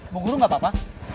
mau guru gak apa apa